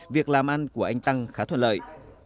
việc làm ăn của anh tăng khá thuận lợi